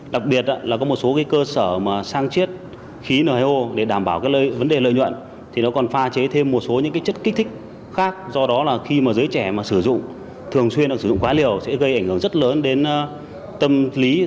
đặc biệt là có một số cơ sở mà sang chiết khí n hai o để đảm bảo cái vấn đề lợi nhuận thì nó còn pha chế thêm một số những chất kích thích khác do đó là khi mà giới trẻ mà sử dụng thường xuyên sử dụng quá liều sẽ gây ảnh hưởng rất lớn đến tâm lý